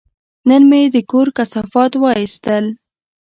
نن مې د کور کثافات وایستل.